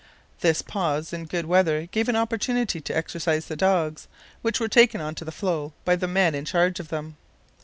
This pause in good weather gave an opportunity to exercise the dogs, which were taken on to the floe by the men in charge of them.